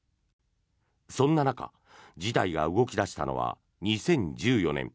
そんな中、事態が動き出したのは２０１４年。